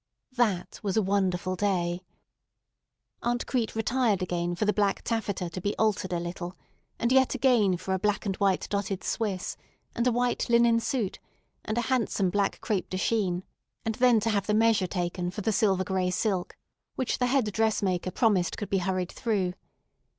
That was a wonderful day. Aunt Crete retired again for the black taffeta to be altered a little, and yet again for a black and white dotted swiss, and a white linen suit, and a handsome black crêpe de chine, and then to have the measure taken for the silver gray silk, which the head dressmaker promised could be hurried through.